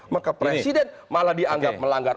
maka presiden malah dianggap melanggar